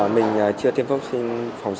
mình chưa tiêm phòng xin phòng sởi